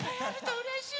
うれしい！